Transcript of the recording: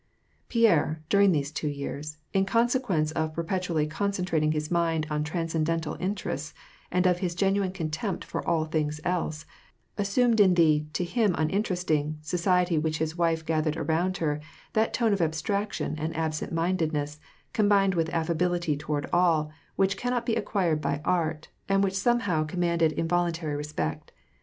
Pierre, during these two years, — in consequence of perpetu ally concentrating his mind on transcendental interests, and of his genuine contempt for all things else, — assumed in the, to him uninteresting, society which his wife gathered round her, that tone of abstraction and absent mindedness, combined with aflFability toward all, which cannot be acquired by art, and which somehow commanded involuntary resj)ect.